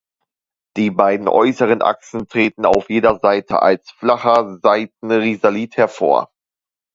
Die beiden äußeren Achsen treten auf jeder Seite als flacher Seitenrisalit hervor.